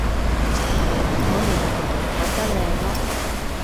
我完全唔覺得靚囉